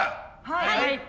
はい。